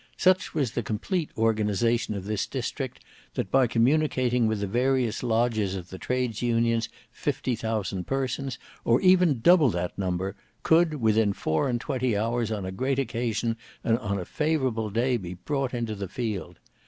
Such was the complete organisation of this district that by communicating with the various lodges of the Trades Unions fifty thousand persons, or even double that number, could within four and twenty hours on a great occasion and on a favourable day be brought into the field.